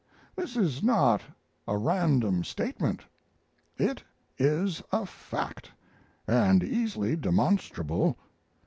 This is not a random statement: it is a fact, and easily demonstrable.